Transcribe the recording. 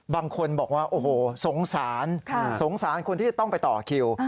บางคนบอกว่าโอ้โหสงสารสงสารคนที่ต้องไปต่อคิว